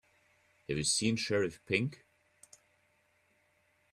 Have you seen Sheriff Pink?